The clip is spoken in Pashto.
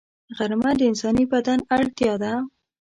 غرمه د انساني بدن اړتیا ده